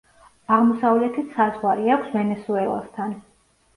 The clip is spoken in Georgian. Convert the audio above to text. აღმოსავლეთით საზღვარი აქვს ვენესუელასთან.